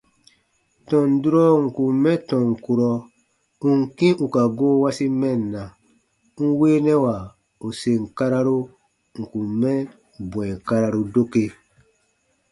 Tɔn durɔ ǹ kun mɛ tɔn kurɔ ù n kĩ ù ka goo wasi mɛnna, n weenɛwa ù sèn kararu ǹ kun mɛ bwɛ̃ɛ kararu doke.